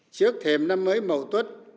trước thềm năm mới mậu tuất